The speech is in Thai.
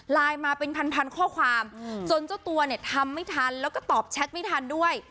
มาเป็นพันข้อความจนเจ้าตัวเนี่ยทำไม่ทันแล้วก็ตอบแชทไม่ทันด้วย